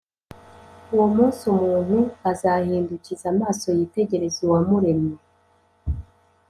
Uwo munsi, umuntu azahindukiza amaso yitegereze Uwamuremye,